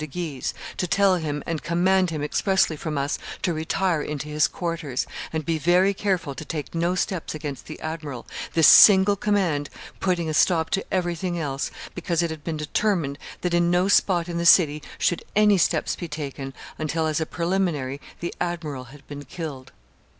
de Guise, to tell him and command him expressly from us to retire into his quarters, and be very careful to take no steps against the admiral, this single command putting a stop to everything else, because it had been determined that in no spot in the city should any steps be taken until, as a preliminary, the admiral had been killed.